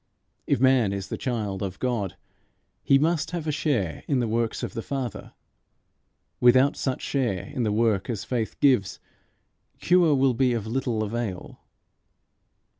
If man is the child of God, he must have a share in the works of the Father. Without such share in the work as faith gives, cure will be of little avail.